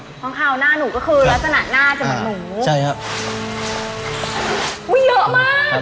ข้างคาวหน้าหนูก็คือลักษณะหน้าจะเหมือนหนูใช่ครับอุ้ยเยอะมาก